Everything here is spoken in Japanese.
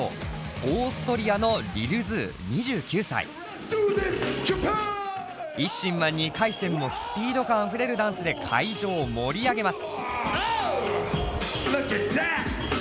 オーストリアのＩＳＳＩＮは２回戦もスピード感あふれるダンスで会場を盛り上げます。